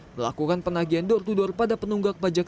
melakukan penagihan door to door pada penunggak pajak